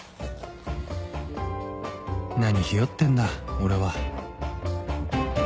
何ひよってんだ俺は